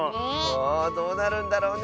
あどうなるんだろうね。